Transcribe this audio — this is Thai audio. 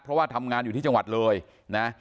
เพราะว่าทำงานอยู่ที่จังหวัดเลยนะ